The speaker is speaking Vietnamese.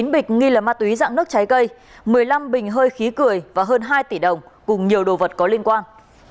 một mươi bịch nghi là ma túy dạng nước trái cây một mươi năm bình hơi khí cười và hơn hai tỷ đồng cùng nhiều đồ vật có liên quan